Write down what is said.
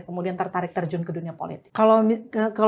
kemudian tertarik terjun ke dunia politik